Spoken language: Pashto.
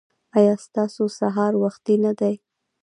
ایا ستاسو سهار وختي نه دی؟